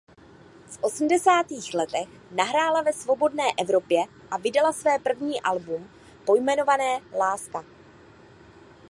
V osmdesátých letech nahrála ve Svobodné Evropě a vydala své první album pojmenované "Láska".